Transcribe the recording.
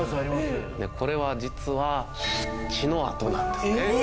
これは実は血の跡なんですね。